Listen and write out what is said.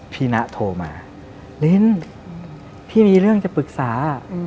พี่นะโทรมาลิ้นพี่มีเรื่องจะปรึกษา